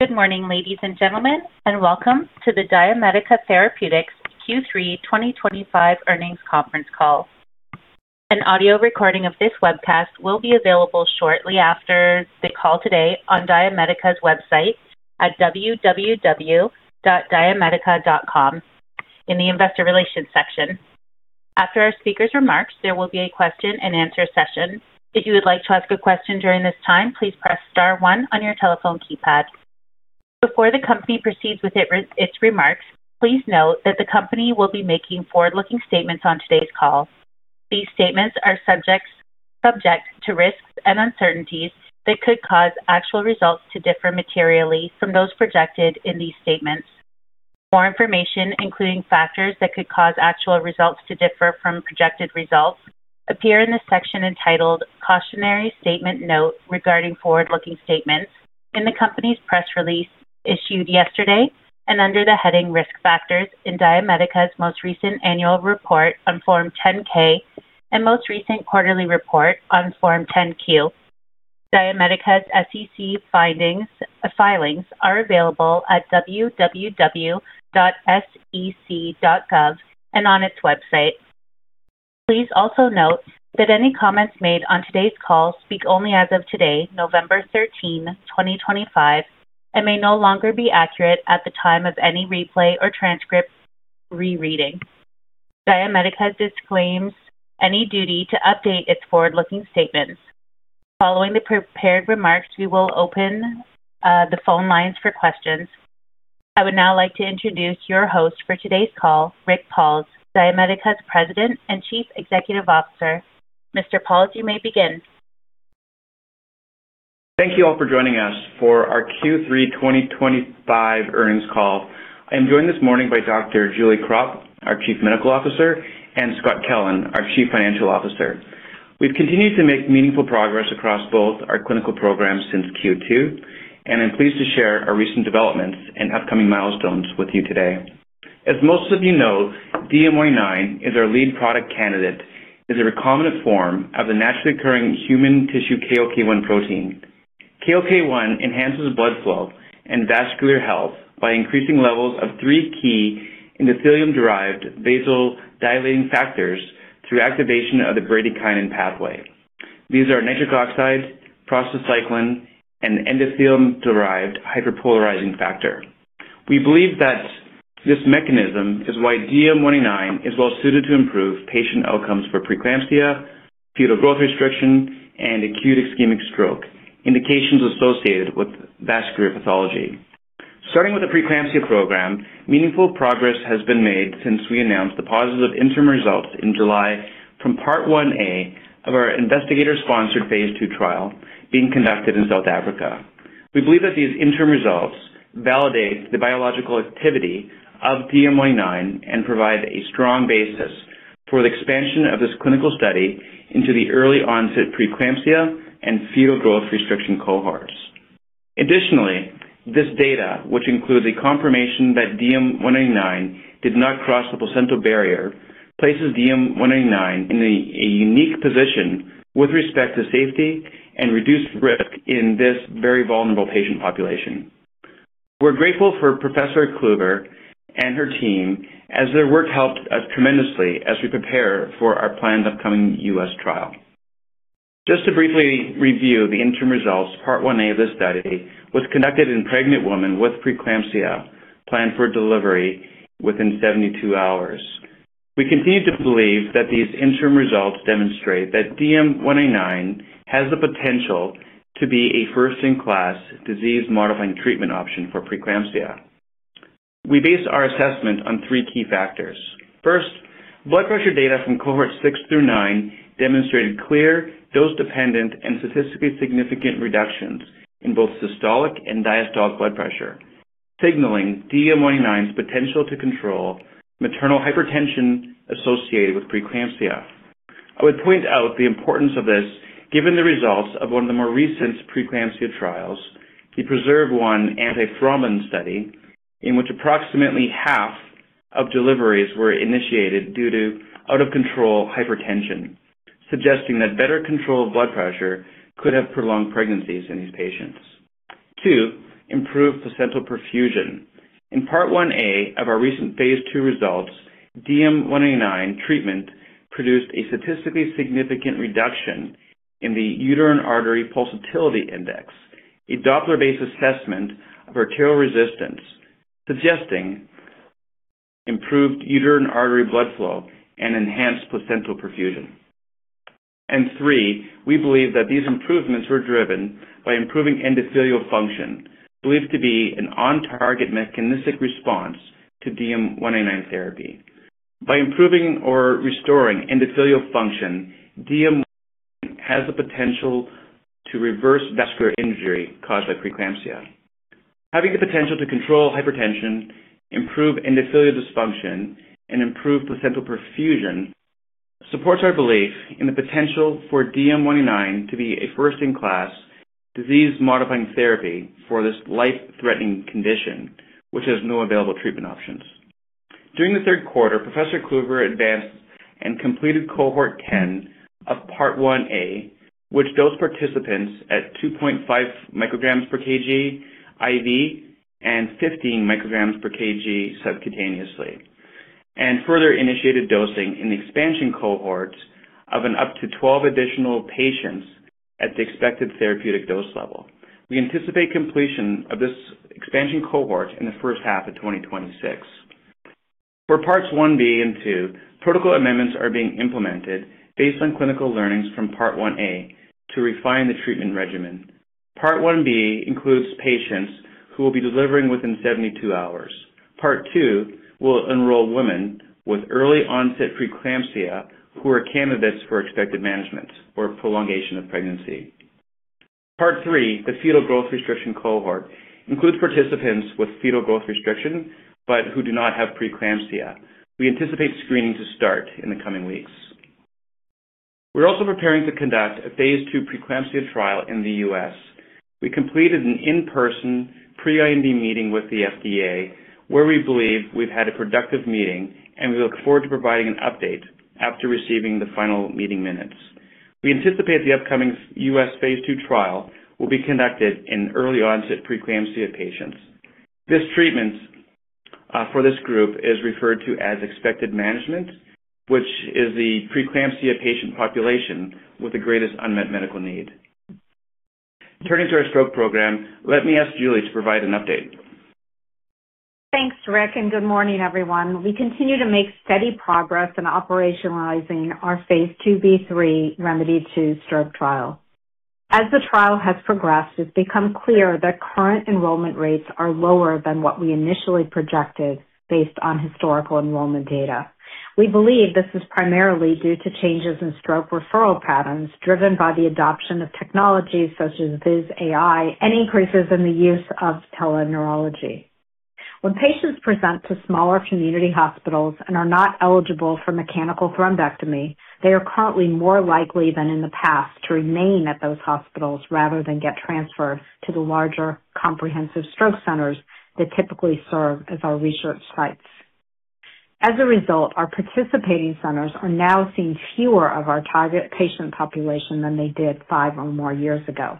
Good morning ladies and gentlemen and welcome to the DiaMedica Therapeutics Q3 2025 Earnings Conference Call. An audio recording of this webcast will be available shortly after the call today on DiaMedica's website at www.diamedica.com in the Investor Relations section. After our speakers' remarks, there will be a question and answer session. If you would like to ask a question during this time, please press star one on your telephone keypad. Before the company proceeds with its remarks, please note that the company will be making forward-looking statements on today's call. These statements are subject to risks and uncertainties that could cause actual results to differ materially from those projected in these statements. More information, including factors that could cause actual results to differ from projected results, appear in the section entitled Cautionary Statement Note Regarding Forward-Looking Statements in the company's press release issued yesterday and under the heading Risk Factors in DiaMedica's most recent Annual Report on Form 10-K and most recent Quarterly Report on Form 10-Q. DiaMedica's SEC filings are available at www.sec.gov and on its website. Please also note that any comments made on today's call speak only as of today, November 13th, 2025, and may no longer be accurate at the time of any replay or transcript rereading. DiaMedica disclaims any duty to update its forward looking statements. Following the prepared remarks, we will open the phone lines for questions. I would now like to introduce your host for today's call, Rick Pauls, DiaMedica's President and Chief Executive Officer. Mr. Pauls, you may begin. Thank you all for joining us for our Q3 2025 earnings call. I am joined this morning by Dr. Julie Krop, our Chief Medical Officer, and Scott Kellen, our Chief Financial Officer. We've continued to make meaningful progress across both our clinical programs since Q2 and I'm pleased to share our recent developments and upcoming milestones with you today. As most of you know, DM199 is our lead product. Candidate is a recombinant form of the naturally occurring human tissue KLK1 protein. KLK1 enhances blood flow and vascular health by increasing levels of three key endothelium-derived vasodilating factors through activation of the bradykinin pathway. These are nitric oxide, prostacyclin, and endothelium-derived hyperpolarizing factor. We believe that this mechanism is why DM199 is well suited to improve patient outcomes for preeclampsia, fetal growth restriction, and acute ischemic stroke indications associated with vascular pathology. Starting with the preeclampsia program, meaningful progress has been made since we announced the positive interim results in July from part 1-A of our investigator-sponsored phase II trial being conducted in South Africa. We believe that these interim results validate the biological activity of DM199 and provide a strong basis for the expansion of this clinical study into the early onset preeclampsia and fetal growth restriction cohorts. Additionally, this data, which include the confirmation that DM199 did not cross the placental barrier, places DM199 in a unique position with respect to safety and reduced risk in this very vulnerable patient population. We're grateful for Professor Cluver and her team as their work helped us tremendously as we prepare for our planned upcoming. Just to briefly review the interim results, part 1-A of this study was conducted in pregnant women with preeclampsia planned for delivery within 72 hours. We continue to believe that these interim results demonstrate that DM199 has the potential to be a first in class disease modifying treatment option for preeclampsia. We based our assessment on three key factors. First, blood pressure data from cohort 6 through 9 demonstrated clear dose dependent and statistically significant reductions in both systolic and diastolic blood pressure, signaling DM199's potential to control maternal hypertension associated with preeclampsia. I would point out the importance of this given the results of one of the more recent preeclampsia trials, the PRESERVE-1 antithrombin study in which approximately half of deliveries were initiated due to out of control hypertension, suggesting that better control of blood pressure could have prolonged pregnancies in these patients. Two, improved placental perfusion. In part 1-A of our recent phase II results, DM199 treatment produced a statistically significant reduction in the uterine artery pulsatility index, a doppler-based assessment of arterial resistance suggesting improved uterine artery blood flow and enhanced placental perfusion, and three, we believe that these improvements were driven by improving endothelial function believed to be an on target mechanistic response to DM199 therapy. By improving or restoring endothelial function, DM199 has the potential to reverse vascular injury caused by preeclampsia. Having the potential to control hypertension, improve endothelial dysfunction, and improve placental perfusion supports our belief in the potential for DM199 to be a first in class disease modifying therapy for this life threatening condition which has no available treatment options. During the third quarter, Professor Cluver advanced and completed Cohort 10 of part 1-A, which dosed participants at 2.5 micrograms per kg IV and 15 micrograms per kg subcutaneously and further initiated dosing in expansion cohorts of up to 12 additional patients at the expected therapeutic dose level. We anticipate completion of this expansion cohort in the first half of 2026. For parts 1-B and 2, protocol amendments are being implemented based on clinical learnings from part 1-A to refine the treatment regimen. Part 1-B includes patients who will be delivering within 72 hours. Part 2 will enroll women with early onset preeclampsia who are candidates for expectant management or prolongation of pregnancy. Part 3, the fetal growth restriction cohort, includes participants with fetal growth restriction but who do not have preeclampsia. We anticipate screening to start in the coming weeks. We're also preparing to conduct a phase II preeclampsia trial in the U.S. We completed an in person pre-IND meeting with the FDA where we believe we've had a productive meeting and we look forward to providing an update. After receiving the final meeting minutes, we anticipate the upcoming U.S. phase II trial will be conducted in early onset preeclampsia patients. This treatment for this group is referred to as expectant management, which is the preeclampsia patient population with the greatest unmet medical need. Turning to our stroke program, let me ask Julie to provide an update. Thanks Rick and good morning everyone. We continue to make steady progress in operationalizing our phase II-B/III ReMEDy2 stroke trial. As the trial has progressed, it's become clear that current enrollment rates are lower than what we initially projected based on historical enrollment data. We believe this is primarily due to changes in stroke referral patterns driven by the adoption of technologies such as Viz.ai and increases in the use of teleneurology. When patients present to smaller community hospitals and are not eligible for mechanical thrombectomy, they are currently more likely than in the past to remain at those hospitals rather than get transferred to the larger comprehensive stroke centers that typically serve as our research sites. As a result, our participating centers are now seeing fewer of our target patient population than they did five or more years ago.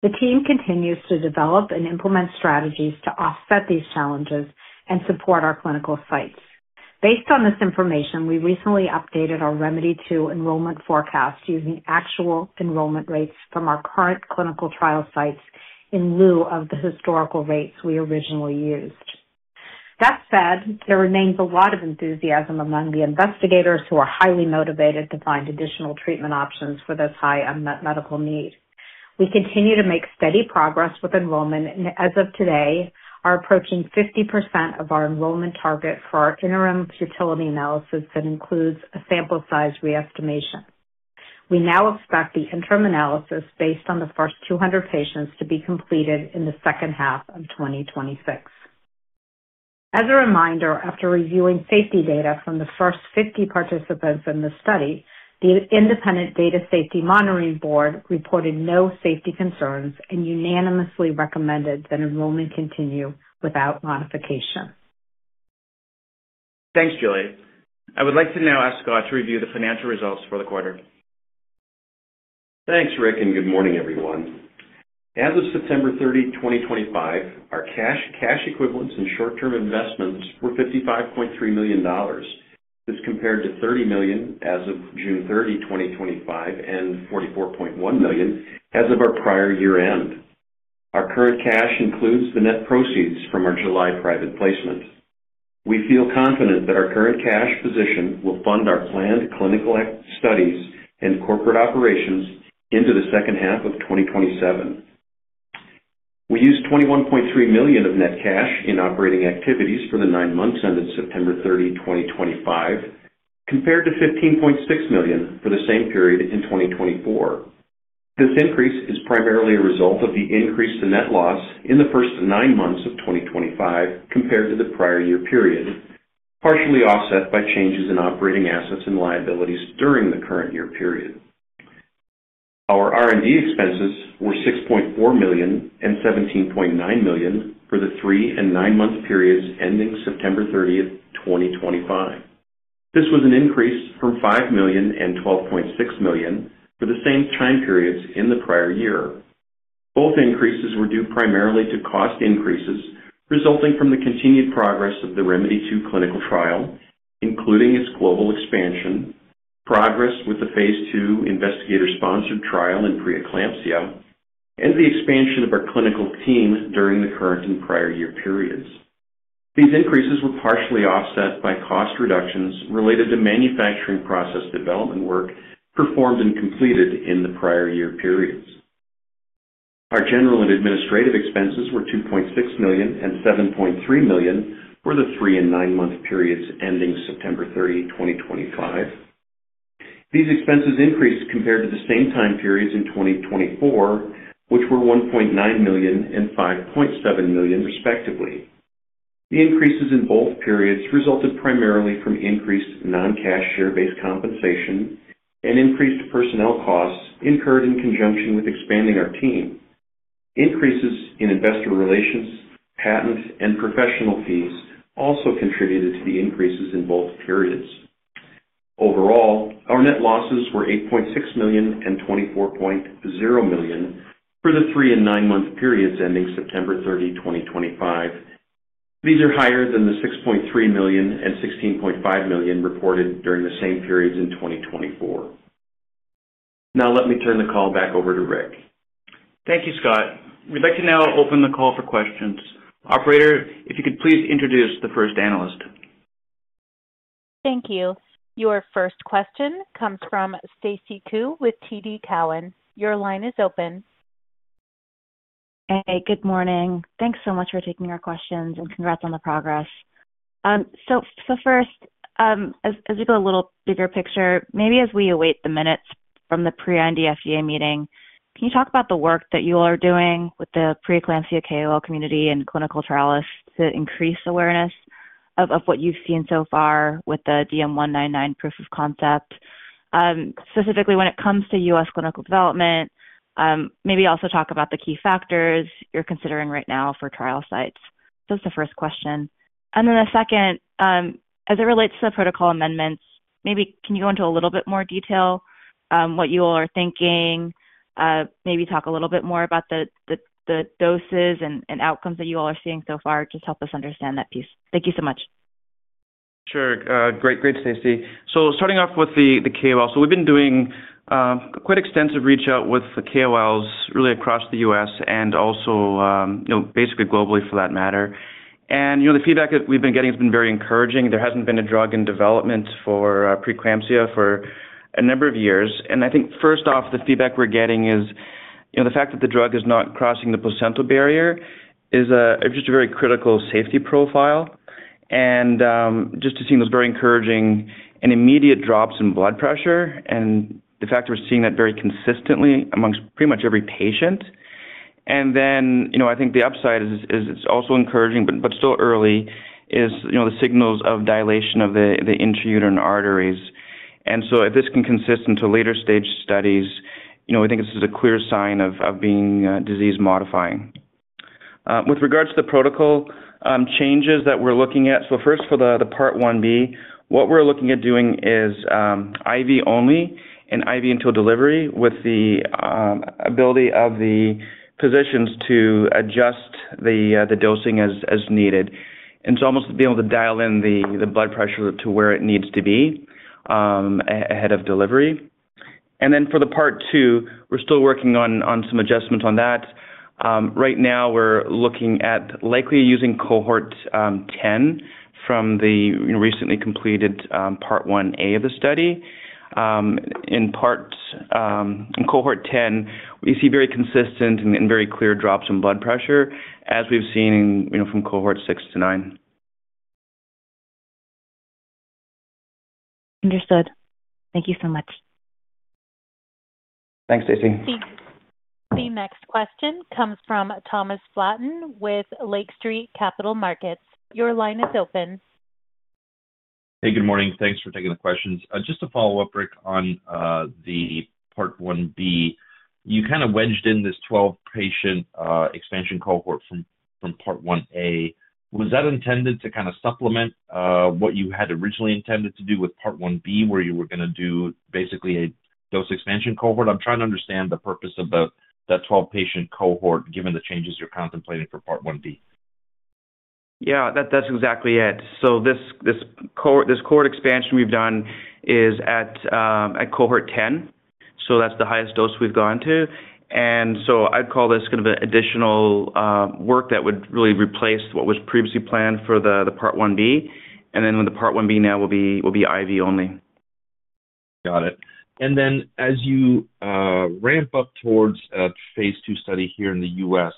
The team continues to develop and implement strategies to offset these challenges and support our clinical sites. Based on this information, we recently updated our ReMEDy2 enrollment forecast using actual enrollment rates from our current clinical trial sites in lieu of the historical rates we originally used. That said, there remains a lot of enthusiasm among the investigators who are highly motivated to find additional treatment options for this high unmet medical need. We continue to make steady progress with enrollment and as of today are approaching 50% of our enrollment target for our interim futility analysis that includes a sample size re-estimation. We now expect the interim analysis based on the first 200 patients to be completed in the second half of 2026. As a reminder, after reviewing safety data from the first 50 participants in the study, the Independent Data Safety Monitoring Board reported no safety concerns and unanimously recommended that enrollment continue without modification. Thanks Julie. I would like to now ask Scott. To review the financial results for the quarter. Thanks Rick and good morning everyone. As of September 30th, 2025, our cash, cash equivalents, and short term investments were $55.3 million. This compared to $30 million as of June 30th, 2025, and $44.1 million as of our prior year end. Our current cash includes the net proceeds from our July private placement. We feel confident that our current cash position will fund our planned clinical studies and corporate operations into the second half of 2027. We used $21.3 million of net cash in operating activities for the nine months ended September 30th, 2025, compared to $15.6 million for the same period in 2024. This increase is primarily a result of the increase in net loss in the first nine months of 2025 compared to the prior year period, partially offset by changes in operating assets and liabilities during the current year period. Our R&D expenses were $6.4 million and $17.9 million for the three and nine month periods ending September 30th, 2025. This was an increase from $5 million and $12.6 million for the same time periods in the prior year. Both increases were due primarily to cost increases resulting from the continued progress of the ReMEDy2 clinical trial and including its global expansion progress with the phase II investigator sponsored trial in preeclampsia and the expansion of our clinical team during the current and prior year periods. These increases were partially offset by cost reductions related to manufacturing process development work performed and completed in the prior year periods. Our general and administrative expenses were $2.6 million and $7.3 million for the three and nine month periods ending September 30th, 2025. These expenses increased compared to the same time periods in 2024, which were $1.9 million and $5.7 million respectively. The increases in both periods resulted primarily from increased non-cash share-based compensation and increased personnel costs incurred in conjunction with expanding our team. Increases in investor relations, patent and professional fees also contributed in both periods. Overall, our net losses were $8.6 million and $24.0 million for the three and nine month periods ending September 30th, 2025. These are higher than the $6.3 million and $16.5 million reported during the same periods in 2024. Now let me turn the call back over to Rick. Thank you, Scott. We'd like to now open the call for questions. Operator, if you could please introduce the first analyst. Thank you. Your first question comes from Stacy Ku with TD Cowen. Your line is open. Hey, good morning. Thanks so much for taking your questions and congrats on the progress. First, as you go, a little bigger picture maybe as we await the minutes from the pre-IND FDA meeting, can you talk about the work that you all are doing with the preeclampsia KOL community and clinical trialists to increase awareness of what you've seen so far with the DM199 proof of concept, specifically when it comes to U.S. clinical development, maybe also talk about the key factors you're considering right now for trial sites. That's the first question. The second, as it relates to the protocol amendments, maybe can you go into a little bit more detail what you all are thinking, maybe talk a little bit more about the doses and outcomes that you all are seeing so far. Just help us understand that piece. Thank you so much. Sure. Great, Stacy. Starting off with the KOLs, we've been doing quite extensive reach out with the KOLs, really across the U.S. and also basically globally for that matter. The feedback that we've been getting has been very encouraging. There hasn't been a drug in development for preeclampsia for a number of years. I think first off the feedback we're getting is the fact that the drug is not crossing the placental barrier is just a very critical safety profile. Just seeing those very encouraging and immediate drops in blood pressure and the fact that we're seeing that very consistently amongst pretty much every patient. I think the upside is it's also encouraging, but still early, is the signals of dilation of the intrauterine arteries. If this can consist into later stage studies, we think this is a clear sign of being disease modifying with regards to the protocol changes that we're looking at. First, for the part 1-B, what we're looking at doing is IV only and IV until delivery, with the ability of the physicians to adjust the dosing as needed. Almost being able to dial in the blood pressure to where it needs to be ahead of delivery. For the part 2, we're still working on some adjustments on that. Right now we're looking at likely using Cohort 10 from the recently completed part 1-A of the study. In part, in Cohort 10, we see very consistent and very clear drops in blood pressure as we've seen from Cohort 6 to 9. Understood. Thank you so much. Thanks, Stacy. The next question comes from Thomas Flaten with Lake Street Capital Markets. Your line is open. Hey, good morning. Thanks for taking the questions. Just a follow up, Rick, on the part 1-B, you kind of wedged in this 12 patient expansion cohort from part 1-A. Was that intended to kind of supplement what you had originally intended to do with part 1-B where you were going to do basically a dose expansion cohort? I'm trying to understand the purpose of that 12 patient cohort given the changes you're contemplating for part 1-B. Yeah, that's exactly it. This cohort expansion we've done is at cohort 10. That's the highest dose we've gone to. I'd call this kind of additional work that would really replace what was previously planned for the part 1-B. The part 1-B now will be IV only. Got it. As you ramp up towards a phase II study here in the U.S.,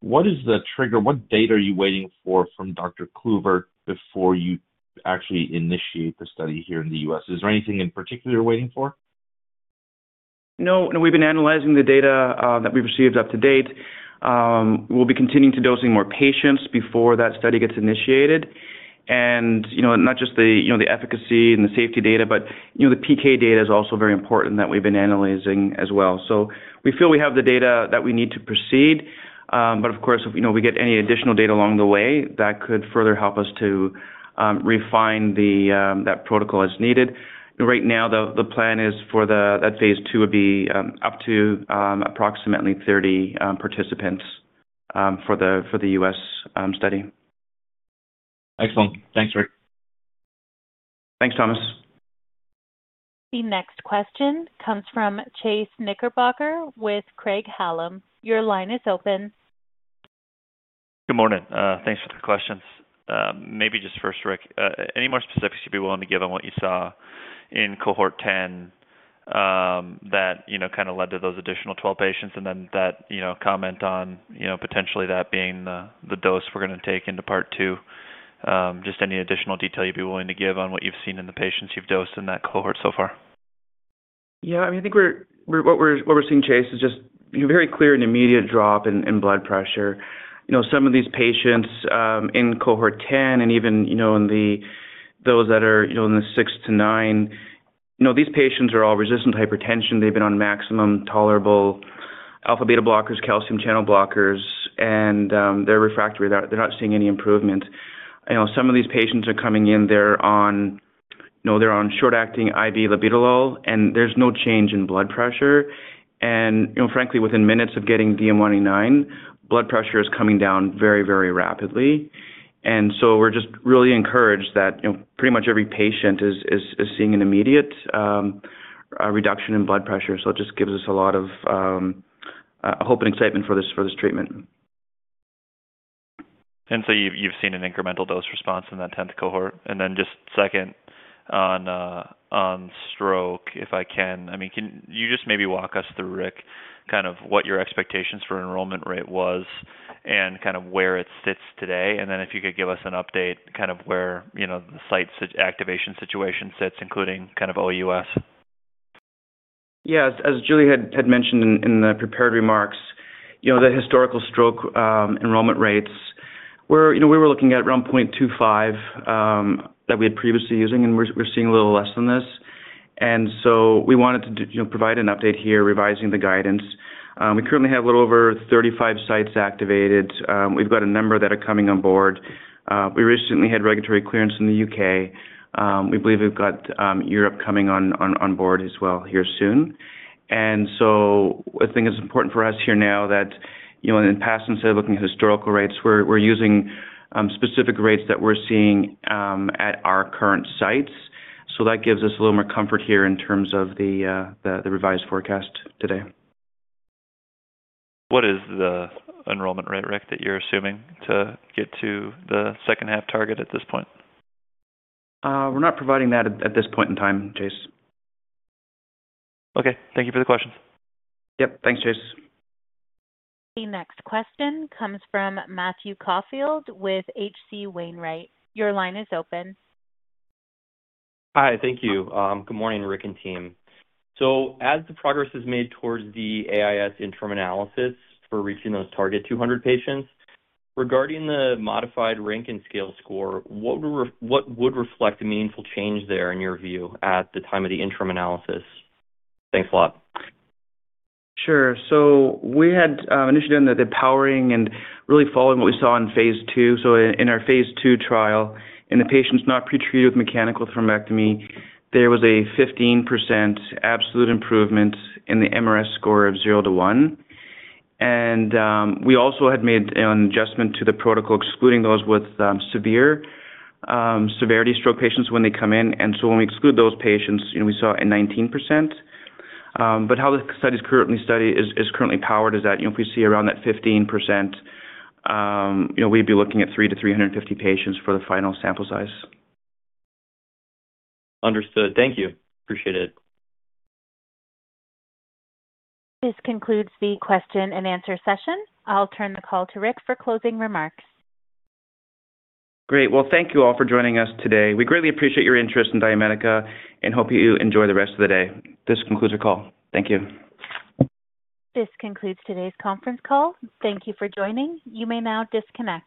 what is the trigger? What data are you waiting for from Professor Cluver before you actually initiate the study here in the U.S.? Is there anything in particular you're waiting for? No. We've been analyzing the data that we've received up to date. We'll be continuing to dosing more patients before that study gets initiated. You know, not just the, you know, the efficacy and the safety data, but, you know, the PK data is also very important that we've been analyzing as well. We feel we have the data that we need to proceed. Of course, if, you know, we get any additional data along the way that could further help us to refine that protocol as needed. Right now, the plan is for that phase II would be up to approximately 30 participants for the U.S. study. Excellent. Thanks, Rick. Thanks, Thomas. The next question comes from Chase Knickerbocker with Craig-Hallum. Your line is open. Good morning. Thanks for the questions. Maybe just first, Rick, any more specifics you'd be willing to give on what you saw in Cohort 10 that kind of led to those additional 12 patients? And then that, you know, comment on, you know, potentially that being the dose we're going to take into part 2. Just any additional detail you'd be willing to give on what you've seen in the patients you've dosed in that cohort so far? Yeah, I mean, I think what we're seeing, Chase, is just very clear and immediate drop in blood pressure. You know, some of these patients in cohort 10 and even, you know, in those that are, you know, in the six to nine, you know, these patients are all resistant to hypertension. They've been on maximum tolerable alpha beta blockers, calcium channel blockers, and they're refractory. They're not seeing any improvement. Some of these patients are coming in, they're on short acting IV labetalol, and there's no change in blood pressure. Frankly, within minutes of getting DM199, blood pressure is coming down very, very rapidly. We're just really encouraged that pretty much every patient is seeing an immediate reduction in blood pressure. It just gives us a lot of hope and excitement for this, for this treatment. You have seen an incremental dose response in that 10th cohort and then just second on stroke. If I can, I mean, can you just maybe walk us through, Rick, kind of what your expectations for enrollment rate was and kind of where it sits today, and then if you could give us an update, kind of where, you know, the site activation situation sits, including kind of OUS. Yeah. As Julie had mentioned in the prepared remarks, you know, the historical stroke enrollment rates were, you know, we were looking at around 0.25 that we had previously using, and we're seeing a little less than this. And so we wanted to provide an update here, revising the guidance. We currently have a little over 35 sites activated. We've got a number that are coming on board. We recently had regulatory clearance in the U.K. We believe we've got Europe coming on board as well here soon. And so I think it's important for us here now that, you know, in the past, instead of looking at historical rates, we're using specific rates that we're seeing at our current sites. So that gives us a little more comfort here in terms of the revised forecast today. What is the enrollment rate rec that you're assuming to get to the second half target at this point? We're not providing that at this point in time, Chase. Okay, thank you for the questions. Yep, thanks, Chase. The next question comes from Matthew Caufield with H.C. Wainwright. Your line is open. Hi. Thank you. Good morning, Rick and team. As the progress is made towards the AIS interim analysis for reaching those target 200 patients regarding the Modified Rankin Scale score, what would reflect a meaningful change there in your view at the time of the interim analysis? Thanks a lot. Sure. We had initially done the powering and really following what we saw in phase II. In our phase II trial, in the patients not pretreated with mechanical thrombectomy, there was a 15% absolute improvement in the MRS score of 0 to 1. We also had made an adjustment to the protocol excluding those with severe severity stroke patients when they come in. When we exclude those patients, we saw a 19%. How the study is currently powered is that if we see around that 15%, we'd be looking at 300-350 patients for the final sample size. Understood. Thank you. Appreciate it. This concludes the question and answer session. I'll turn the call to Rick for closing remarks. Great. Thank you all for joining us today. We greatly appreciate your interest in DiaMedica and hope you enjoy the rest of the day. This concludes our call. Thank you. This concludes today's conference call. Thank you for joining. You may now disconnect.